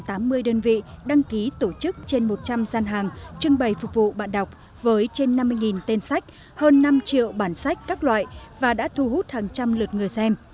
hội sách với sự tham gia của gần tám mươi đơn vị đăng ký tổ chức trên một trăm linh gian hàng trưng bày phục vụ bạn đọc với trên năm mươi tên sách hơn năm triệu bản sách các loại và đã thu hút hàng trăm lượt người xem